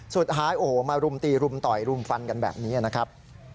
สุดท้ายโอ้โหมารุมตีรุมต่อยรุมฟันกันแบบนี้นะครับ